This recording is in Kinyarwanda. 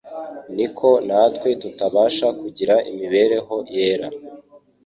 niko natwe tutabasha kugira imibereho yera.